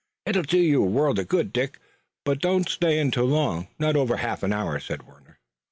It'll do you a world of good, Dick, but don't stay in too long." "Not over a half hour," said Warner.